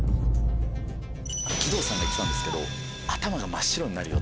義堂さんが言ってたんですけど。